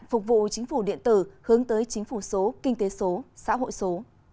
phục vụ chính phủ điện tử hướng tới chính phủ số kinh tế số xã hội số